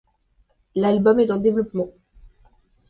L'album est en développement.